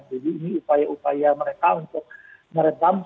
jadi ini upaya upaya mereka untuk meregam